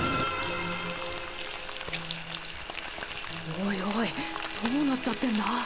おいおいどうなっちゃってんだ？